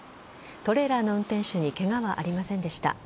トレーラーの運転手にケガはありませんでした。